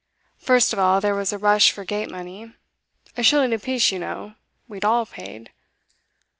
First of all there was a rush for the gate money; a shilling a piece, you know, we'd all paid.